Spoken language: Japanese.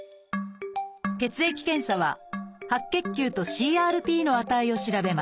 血液検査は白血球とＣＲＰの値を調べます。